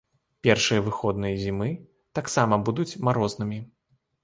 Першыя выходныя зімы таксама будуць марознымі.